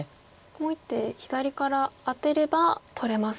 もう一手左からアテれば取れますか。